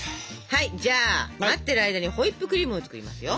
はいじゃあ待ってる間にホイップクリームを作りますよ。